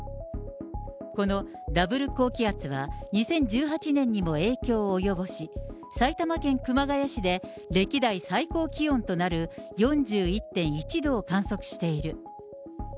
このダブル高気圧は２０１８年にも影響を及ぼし、埼玉県熊谷市で歴代最高気温となる４１．１度を観測している。